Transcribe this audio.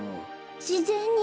しぜんに？